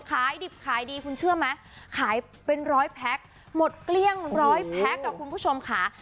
ขายดิบขายดีคุณเชื่อไหมขายเป็นร้อยแพ็คหมดเกลี้ยงร้อยแพ็คคุณผู้ชมค่ะ